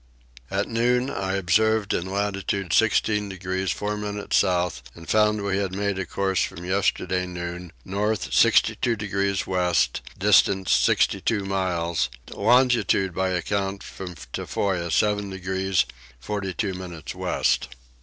At noon I observed in latitude 16 degrees 4 minutes south and found we had made a course from yesterday noon north 62 degrees west distance 62 miles; longitude by account from Tofoa 7 degrees 42 minutes west.